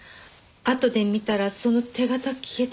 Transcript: あとで見たらその手形消えてて。